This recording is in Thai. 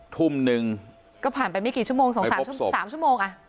ทุ่มนึงก็ผ่านไปไม่กี่ชั่วโมง๒๓ชั่วโมงอ่ะ